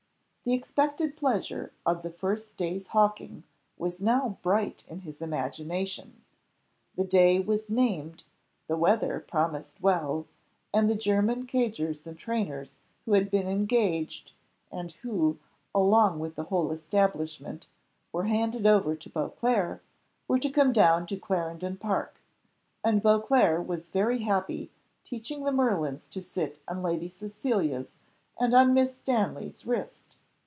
The expected pleasure of the first day's hawking was now bright in his imagination; the day was named, the weather promised well, and the German cadgers and trainers who had been engaged, and who, along with the whole establishment, were handed over to Beauclerc, were to come down to Clarendon Park, and Beauclerc was very happy teaching the merlins to sit on Lady Cecilia's and on Miss Stanley's wrist.